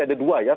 ada dua ya